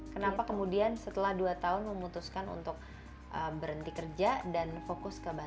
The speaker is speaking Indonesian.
kenapa kemudian setelah dua tahun memutuskan untuk berhenti kerja dan fokus ke badan